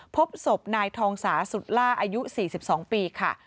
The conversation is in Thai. พบศพนายทองสาสุดล่าอายุ๔๒ปีค่ะ